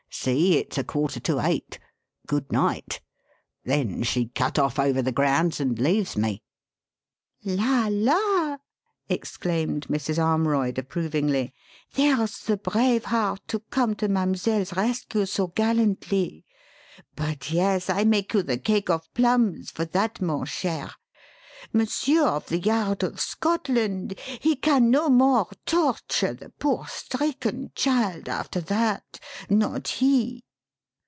See! It's a quarter to eight. Good night.' Then she cut off over the grounds and leaves me." "La! la!" exclaimed Mrs. Armroyd approvingly. "There's the brave heart, to come to mademoiselle's rescue so gallantly. But, yes, I make you the cake of plums for that, mon cher. Monsieur of the yard of Scotland, he can no more torture the poor stricken child after that not he."